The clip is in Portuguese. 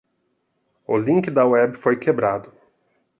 O link da web foi quebrado.